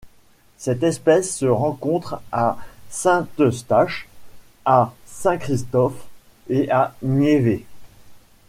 Cette espèce se rencontre à Saint-Eustache, à Saint-Christophe et à Niévès.